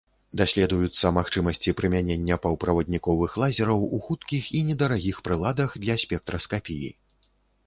Даследуюцца магчымасці прымянення паўправадніковых лазераў ў хуткіх і недарагіх прыладах для спектраскапіі.